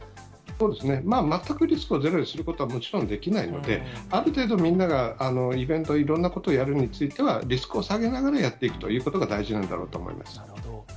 そうですね、全くリスクをゼロにすることはもちろんできないので、ある程度、みんながイベント、いろんなことをやるについては、リスクを下げながらやっていくということが大事なんだろうと思いなるほど。